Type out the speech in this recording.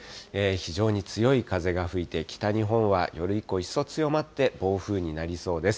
非常に強い風が吹いて、北日本は夜以降、一層強まって、暴風になりそうです。